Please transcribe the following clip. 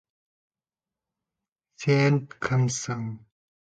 Кемедегінің жаны бір.